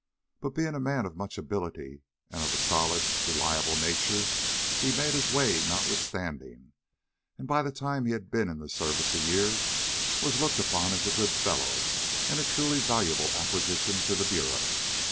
But being a man of much ability and of a solid, reliable nature, he made his way notwithstanding, and by the time he had been in the service a year, was looked upon as a good fellow and a truly valuable acquisition to the bureau.